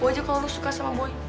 gue aja kalau suka sama boy